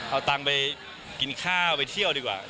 เอาเงินให้กินข้าวไปเที่ยวดีกว่า